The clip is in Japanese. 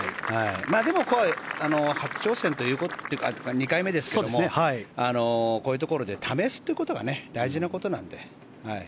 でも、今回２回目ですけどもこういうところで試すということが大事なことなので。